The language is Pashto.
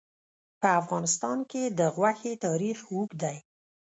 په افغانستان کې د غوښې تاریخ اوږد دی.